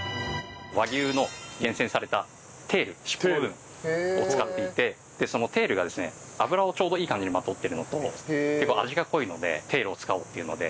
和牛の厳選されたテールしっぽの部分を使っていてそのテールがですね脂をちょうどいい感じにまとっているのと結構味が濃いのでテールを使おうっていうので。